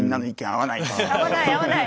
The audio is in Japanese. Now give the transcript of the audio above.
合わない合わない！